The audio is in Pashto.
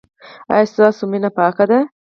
ایا ستاسو مینه پاکه ده؟